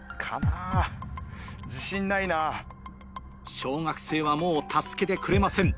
小学生はもう助けてくれません